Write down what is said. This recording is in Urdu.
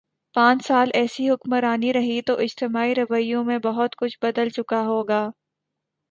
پانچ سال ایسی حکمرانی رہی تو اجتماعی رویوں میں بہت کچھ بدل چکا ہو گا۔